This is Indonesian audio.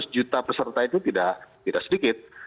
lima ratus juta peserta itu tidak sedikit